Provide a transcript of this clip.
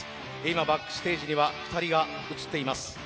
バックステージには２人が映っています。